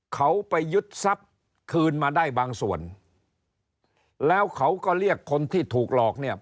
เขาไปยึดทรัพย์คืนมาได้บางส่วนแล้วเขาก็เรียกคนที่ถูกหลอกเนี่ย